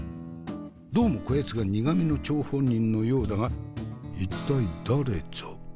どうもこやつが苦味の張本人のようだが一体誰ぞ？